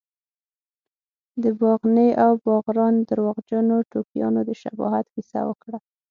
د باغني او باغران درواغجنو ټوکیانو د شباهت کیسه وکړه.